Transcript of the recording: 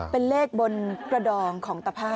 เป็นเลขบนกระดองของตะภาพ